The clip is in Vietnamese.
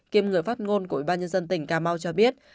kiêm người phát ngôn của ubnd tỉnh cà mau cho biết